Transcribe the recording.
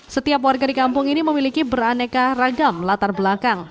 setiap warga di kampung ini memiliki beraneka ragam latar belakang